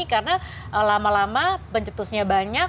karena lama lama pencetusnya banyak